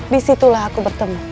disitulah aku bertemu